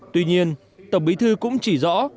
tuy nhiên tổng bí thư cũng chỉ rõ